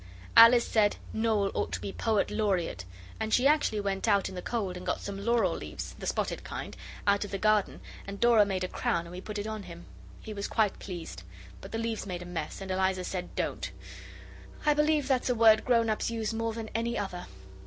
Alice said Noel ought to be poet laureate, and she actually went out in the cold and got some laurel leaves the spotted kind out of the garden, and Dora made a crown and we put it on him. He was quite pleased; but the leaves made a mess, and Eliza said, 'Don't.' I believe that's a word grown ups use more than any other.